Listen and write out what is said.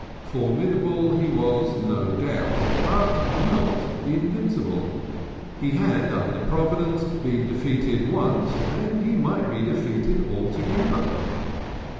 Formidable he was no doubt, but not invincible. He had, under Providence, been defeated once, and he might be defeated altogether.